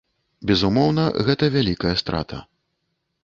Безумоўна, гэта вялікая страта.